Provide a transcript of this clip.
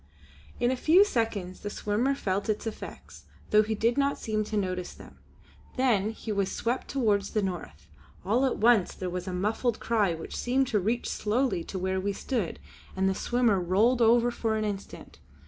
In a few seconds the swimmer felt its effects, though he did not seem to notice them. Then he was swept towards the north. All at once there was a muffled cry which seemed to reach slowly to where we stood, and the swimmer rolled over for an instant.